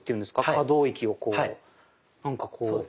可動域をこうなんかこう。